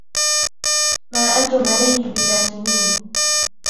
ما أنتم عليه بفاتنين